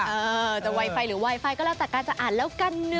เออจะไวไฟหรือไวไฟก็แล้วแต่การจะอ่านแล้วกันนะ